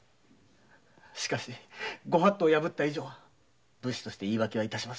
しかし御法度を破った上は武士として言い訳はしません。